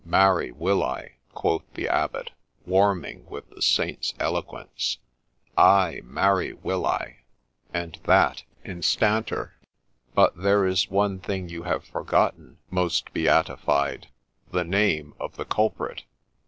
' Marry will I,' quoth the Abbot, warming with the Saint's eloquence ;' ay, marry will I, and that instanter. But there is one thing you have forgotten, most Beatified — the name of the culprit.'